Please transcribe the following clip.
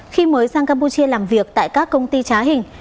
khi mới sang campuchia làm việc tại các công ty trá hình